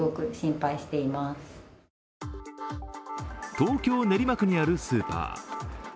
東京・練馬区にあるスーパー。